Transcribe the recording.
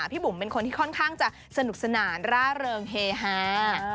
พี่บุ๋มเป็นคนที่ค่อนข้างจะสนุกสนานร่าเริงเฮฮา